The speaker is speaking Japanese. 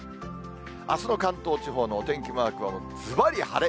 あすの関東地方のお天気マークはずばり晴れ。